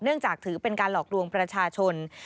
จากถือเป็นการหลอกลวงประชาชน